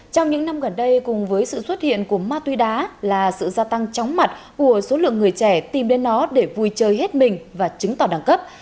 trong những năm gần đây cùng với sự xuất hiện của ma túy đá là sự gia tăng chóng mặt của số lượng người trẻ tìm đến nó để vui chơi hết mình và chứng tỏ đẳng cấp